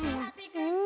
うん！